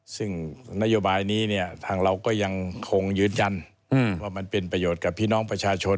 ซึ่งนโยบายนี้เนี่ยทางเราก็ยังคงยืนยันว่ามันเป็นประโยชน์กับพี่น้องประชาชน